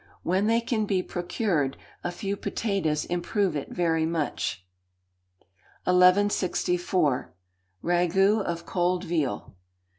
When they can be procured, a few potatoes improve it very much. 1164. Ragoût of Cold Veal.